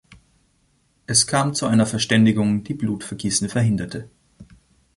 Es kam zu einer Verständigung, die Blutvergießen verhinderte.